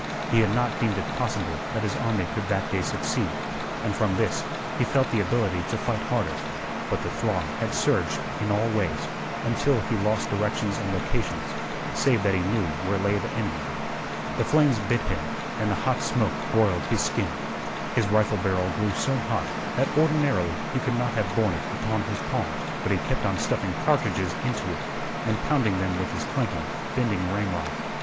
He had not deemed it possible that his army could that day succeed, and from this he felt the ability to fight harder. But the throng had surged in all ways, until he lost directions and locations, save that he knew where lay the enemy. The flames bit him, and the hot smoke broiled his skin. His rifle barrel grew so hot that ordinarily he could not have borne it upon his palms; but he kept on stuffing cartridges into it, and pounding them with his clanking, bending ramrod.